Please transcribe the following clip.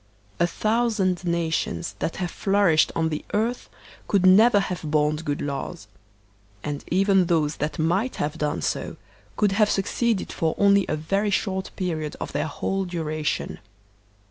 A thousand nations that have flourished on the earth could never have borne good laws; and even those that might have done so could have succeeded for only a very short period of their whole duration.